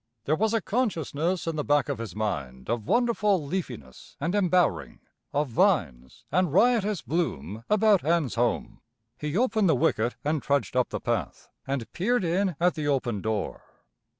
There was a consciousness in the back of his mind of wonderful leafiness and embowering, of vines and riotous bloom about Ann's home. He opened the wicket and trudged up the path, and peered in at the open door.